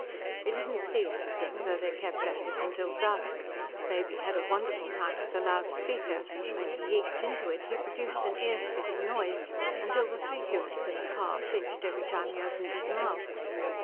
They didn't see anything, though they kept at it till dusk. Baby had a wonderful time with the loud speaker; when he yeeked into it, he produced an ear splitting noise, until the three humans in the car flinched every time he opened his mouth.